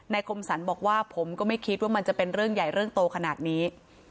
คมสรรบอกว่าผมก็ไม่คิดว่ามันจะเป็นเรื่องใหญ่เรื่องโตขนาดนี้